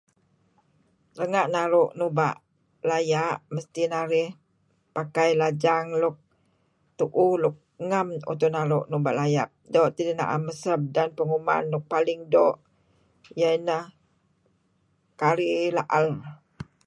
Renga' naru' nuba' laya' mesti narih pakai lajang luk tuuh luk ngem penaru' nuba' laya'. Doo' tidih naem maseb. Penguman nuk paling iyeh ineh kari laal.